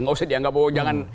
nggak usah dianggap oh jangan